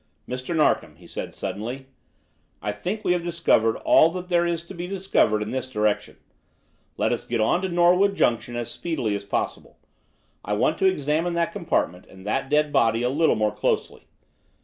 "Mr. Narkom," he said suddenly, "I think we have discovered all that there is to be discovered in this direction. Let us get on to Norwood Junction as speedily as possible. I want to examine that compartment and that dead body a little more closely.